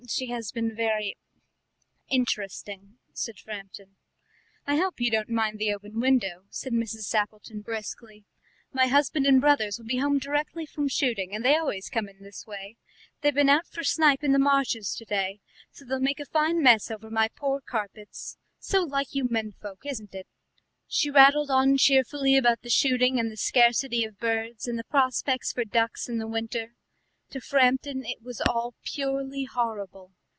"She has been very interesting," said Framton. "I hope you don't mind the open window," said Mrs. Sappleton briskly; "my husband and brothers will be home directly from shooting, and they always come in this way. They've been out for snipe in the marshes to day, so they'll make a fine mess over my poor carpets. So like you men folk, isn't it?" She rattled on cheerfully about the shooting and the scarcity of birds, and the prospects for duck in the winter. To Framton it was all purely horrible.